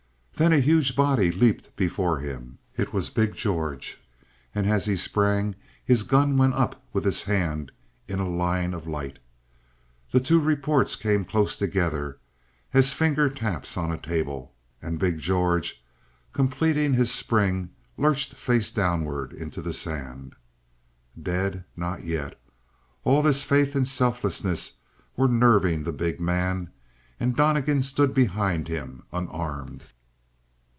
Then a huge body leaped before him; it was big George. And as he sprang his gun went up with his hand in a line of light. The two reports came close together as finger taps on a table, and big George, completing his spring, lurched face downward into the sand. Dead? Not yet. All his faith and selflessness were nerving the big man. And Donnegan stood behind him, unarmed!